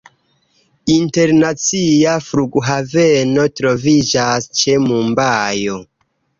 Internacia flughaveno troviĝas ĉe Mumbajo.